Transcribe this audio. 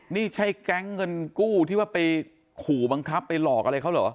นี่ใช่แก๊งเงินกู้ที่ว่าไปขู่บังคับไปหลอกอะไรเขาเหรอ